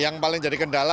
yang paling jadi kendala